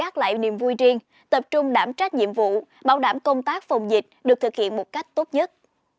tập trung đảm trách nhiệm vụ bảo đảm công tác phòng dịch được thực hiện một cách tốt nhất